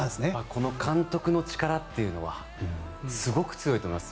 この監督の力というのはすごく強いと思います。